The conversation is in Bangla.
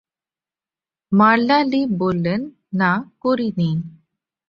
মারলা লি বললেন, না করিনি।